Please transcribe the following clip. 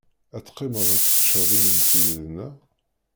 Ad teqqimeḍ ad teččeḍ imensi yid-neɣ.